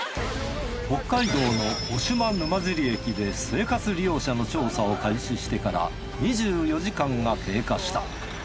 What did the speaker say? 北海道の渡島沼尻駅で生活利用者の調査を開始してから２４時間が経過した。